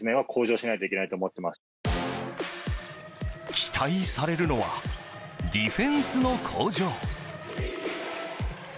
期待されるのはディフェンスの向上。